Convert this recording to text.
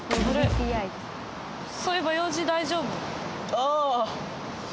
ああ。